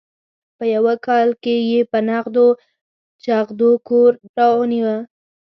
په یوه کال کې یې په نغدو چغدو کور رانیوه.